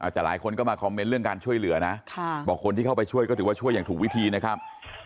แต่หลายคนก็มาคอมเมนต์เรื่องการช่วยเหลือนะบอกคนที่เข้าไปช่วยก็ถือว่าช่วยอย่างถูกวิธีนะครับ